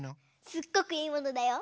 すっごくいいものだよ。